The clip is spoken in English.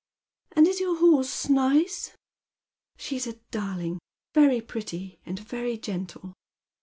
" And is your horse nice ?"" She's a darling, very pretty, and very gentle."